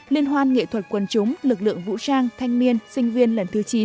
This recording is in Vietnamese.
liên hoan nghệ thuật quân chúng lực lượng vũ trang thanh niên sinh viên lần thứ chín